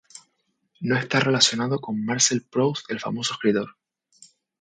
No está relacionado con Marcel Proust, el famoso escritor.